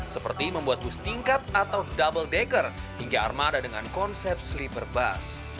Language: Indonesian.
seperti membuat bus tingkat atau double decker hingga armada dengan konsep sleeper bus